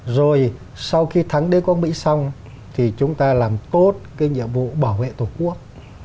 rồi sau khi thắng đế quốc mỹ xong thì chúng ta làm tốt cái nhiệm vụ bảo vệ tổ quốc